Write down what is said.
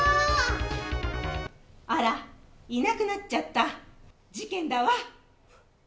あら、いなくなっちゃった事件だわ。